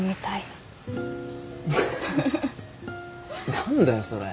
何だよそれ。